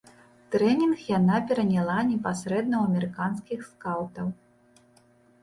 Трэнінг яна пераняла непасрэдна ў амерыканскіх скаўтаў.